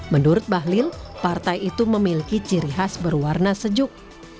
menurut bahlil partai itu memiliki ciri khas berwarna sejuk